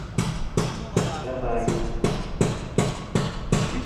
Anahy